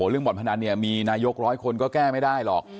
เรื่องบ่อนพนันมีนายกร้อยคนก็แก้ไม่ได้หรอก